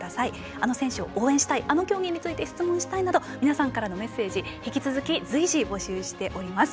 あの選手を応援したいあの競技について質問したいなど皆様のメッセージを随時お待ちしています。